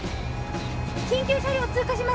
緊急車両通過します。